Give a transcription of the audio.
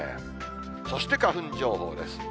そして花粉情報です。